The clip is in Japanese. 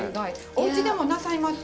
おうちでもなさいます？